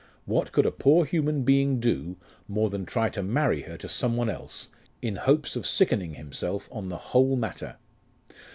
What could a poor human being do more than try to marry her to some one else, in hopes of sickening himself of the whole matter?